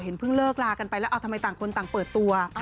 เพิ่งเลิกลากันไปแล้วเอาทำไมต่างคนต่างเปิดตัว